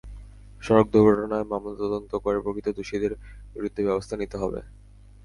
সড়ক দুর্ঘটনায় মামলা তদন্ত করে প্রকৃত দোষীদের বিরুদ্ধে ব্যবস্থা নিতে হবে।